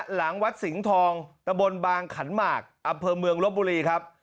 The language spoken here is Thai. หลังวัดสิงห์ทองตะบนบางขันหมากอำเภอเมืองลบบุรีครับ